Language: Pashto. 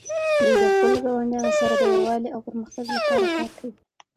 دوی د خپلو ګاونډیانو سره د یووالي او پرمختګ لپاره کار کوي.